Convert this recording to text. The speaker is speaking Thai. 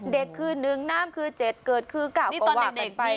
เด็กคือหนึ่งน้ำคือเจ็ดเกิดคือก่าวกว่ากันไป